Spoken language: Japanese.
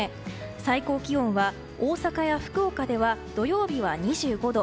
最高気温は大阪や福岡では土曜日は２５度。